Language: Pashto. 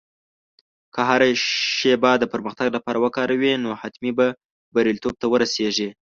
که هره شېبه د پرمختګ لپاره وکاروې، نو حتمي به بریالیتوب ته ورسېږې.